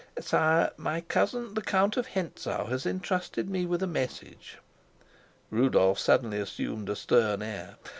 "Sire, my cousin, the Count of Hentzau, has entrusted me with a message." Rudolf suddenly assumed a stern air.